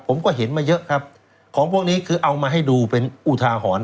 ผมก็เห็นมาเยอะครับของพวกนี้คือเอามาให้ดูเป็นอุทาหรณ์